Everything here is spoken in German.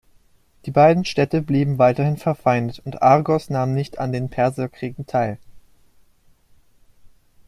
Die beiden Städte blieben weiterhin verfeindet und Argos nahm nicht an den Perserkriegen teil.